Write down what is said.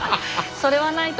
それはないな。